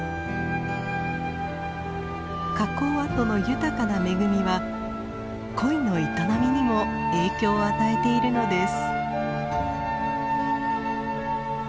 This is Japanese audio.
火口跡の豊かな恵みは恋の営みにも影響を与えているのです。